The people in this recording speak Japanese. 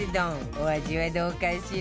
お味はどうかしら？